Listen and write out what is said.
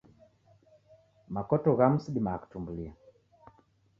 Makoto ghamu sidimagha kutumbulia.